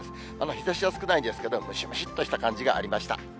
日ざしは少ないんですけど、ムシムシっとした感じがありました。